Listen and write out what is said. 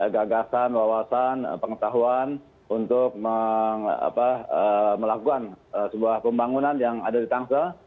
gagasan wawasan pengetahuan untuk melakukan sebuah pembangunan yang ada di tangsel